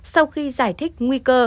sau khi giải thích nguy cơ